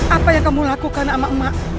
apa yang kamu lakukan sama emak